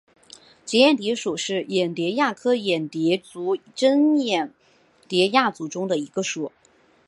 结眼蝶属是眼蝶亚科眼蝶族珍眼蝶亚族中的一个属。